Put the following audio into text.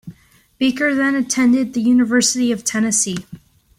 Baker then attended the University of Tennessee.